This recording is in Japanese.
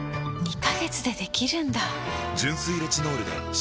２カ月でできるんだ！